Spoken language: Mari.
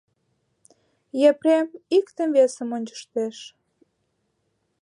Епрем иктым-весым ончыштеш.